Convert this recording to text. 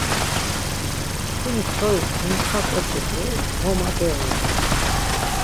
Çkuni kyois mintxa ǩoç̌i t̆u, ğoma doğuru.